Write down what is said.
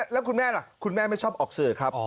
แล้วคุณแม่ล่ะคุณแม่ไม่ชอบออกสื่อครับ